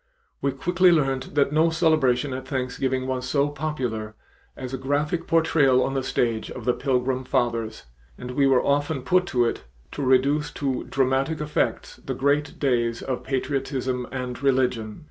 We quickly learned that no celebration at Thanksgiving was so popular as a graphic portrayal on the stage of the Pilgrim Fathers, and we were often put to it to reduce to dramatic effects the great days of patriotism and religion.